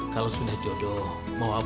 kalau sudah jodoh mau apa